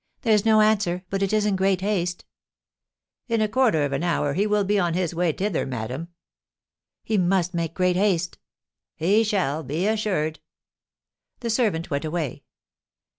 There's no answer, but it is in great haste." "In a quarter of an hour he will be on his way thither, madame." "He must make great haste." "He shall, be assured." The servant went away.